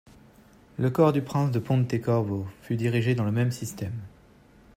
Le corps du prince de Ponte-Corvo fut dirigé dans le même système.